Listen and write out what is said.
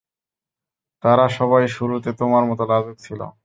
তারা সবাই শুরুতে তোমার মতো লাজুক ছিল।